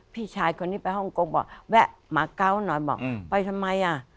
พี่ชายคนนี้ไปฮ่องกงบอกแวะมาเกาะหน่อยบอกไปทำไมอ่ะ